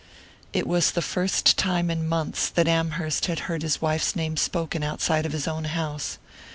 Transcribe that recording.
It was the first time in months that Amherst had heard his wife's name spoken outside of his own house.